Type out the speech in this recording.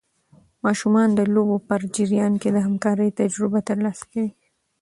ماشومان د لوبو په جریان کې د همکارۍ تجربه ترلاسه کوي.